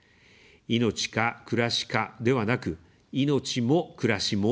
「命か、暮らしか」ではなく、「命も、暮らしも」